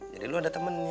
jadi lo ada temennya